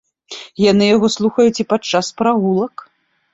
Яны яго слухаюць і падчас прагулак.